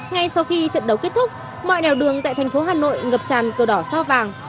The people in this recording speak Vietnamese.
ngay sau khi trận đấu kết thúc mọi nèo đường tại thành phố hà nội ngập tràn cờ đỏ sao vàng